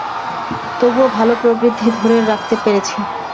তবুও ভালো প্রবৃদ্ধি ধরে রাখতে পেরেছি।